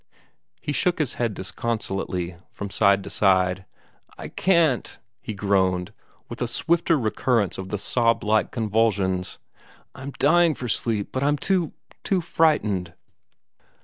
He shook his head disconsolately, from side to side. "I can't!" he groaned, with a swifter recurrence of the sob like convulsions. "I'm dying for sleep, but I'm too too frightened!"